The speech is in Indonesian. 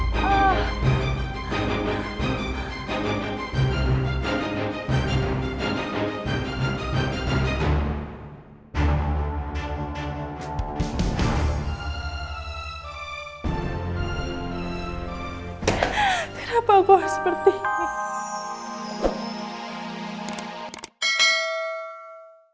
kenapa aku harus seperti ini